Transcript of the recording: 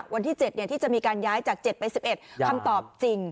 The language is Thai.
วันที่๗ที่จะมีการย้ายจาก๗ไป๑๑คำตอบจริง